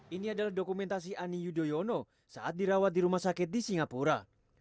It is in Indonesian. ini adalah dokumentasi ani yudhoyono saat dirawat di rumah sakit di singapura